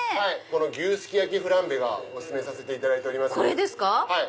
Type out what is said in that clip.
牛すき焼フランベお薦めさせていただいております。